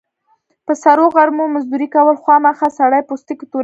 په سرو غرمو مزدوري کول، خوامخا د سړي پوستکی توروي.